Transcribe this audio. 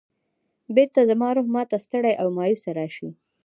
بېرته زما روح ما ته ستړی او مایوسه راشي.